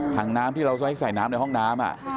ถังน้ำที่เราใช้ใส่น้ำในห้องน้ำ